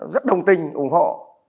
rất đồng tình ủng hộ